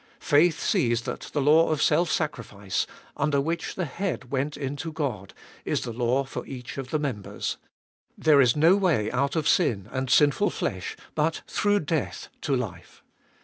Faith sees that the law of self sacrifice, under which the Head went in to God, is the law for each of the members. There is no way out of sin and sinful flesh, but through death to life.